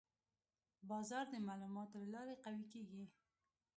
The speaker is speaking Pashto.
بازار د معلوماتو له لارې قوي کېږي.